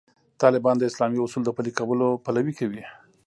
طالبان د اسلامي اصولو د پلي کولو پلوي کوي.